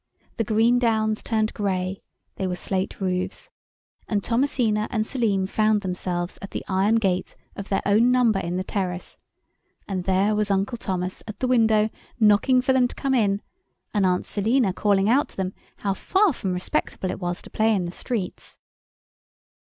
The green downs turned grey—they were slate roofs—and Thomasina and Selim found themselves at the iron gate of their own number in the terrace—and there was Uncle Thomas at the window knocking for them to come in, and Aunt Selina calling out to them how far from respectable it was to play in the streets.